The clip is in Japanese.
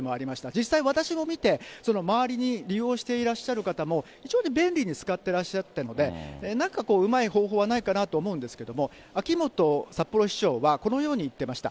実際私も見て、周りに利用していらっしゃる方も非常に便利に使ってらっしゃったので、なんかうまい方法はないかなと思うんですけども、秋元札幌市長は、このように言ってました。